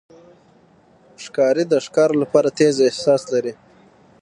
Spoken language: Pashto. ښکاري د ښکار لپاره تیز احساس لري.